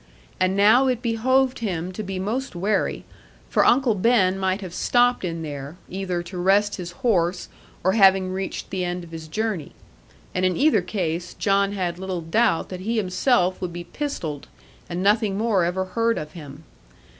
And now it behoved him to be most wary; for Uncle Ben might have stopped in there, either to rest his horse or having reached the end of his journey. And in either case, John had little doubt that he himself would be pistolled, and nothing more ever heard of him.